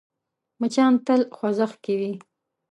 مچان تل خوځښت کې وي